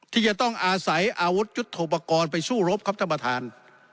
ที่จะต้องอาศัยอาวุธยุทธโปรกรณ์ไปสู้รบครับท่านประธาน